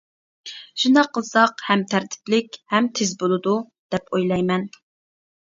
شۇنداق قىلساق ھەم تەرتىپلىك، ھەم تېز بولىدۇ؟ دەپ ئويلايمەن.